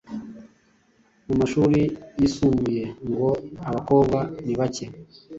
Mu mashuri yisumbuye ngo abakobwa nibake